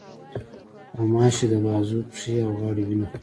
غوماشې د بازو، پښې، او غاړې وینه خوري.